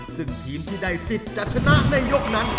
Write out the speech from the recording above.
ซึ่งทีมที่ได้สิทธิ์จะชนะในยกนั้น